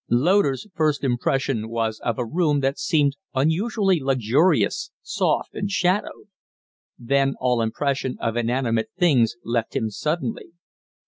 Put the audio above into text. Loder's first impression was of a room that seemed unusually luxurious, soft, and shadowed. Then all impression of inanimate things left him suddenly.